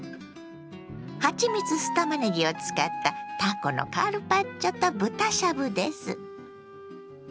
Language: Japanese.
「はちみつ酢たまねぎ」を使ったたこのカルパッチョと豚しゃぶです。